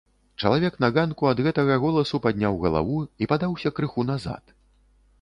Чалавек на ганку ад гэтага голасу падняў галаву і падаўся крыху назад.